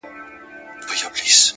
• په للو دي هره شپه يم زنگولى,